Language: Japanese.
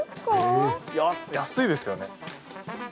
安いですよね。